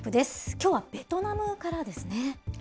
きょうはベトナムからですね。